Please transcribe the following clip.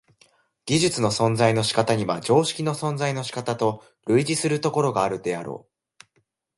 技術の存在の仕方には常識の存在の仕方と類似するところがあるであろう。